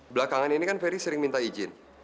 belakangan ini kan ferry sering minta izin